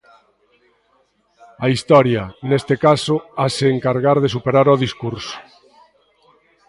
A historia, neste caso, hase encargar de superar o discurso.